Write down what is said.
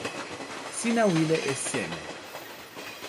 sina wile e seme?